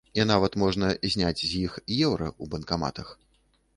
І нават можна зняць з іх еўра ў банкаматах.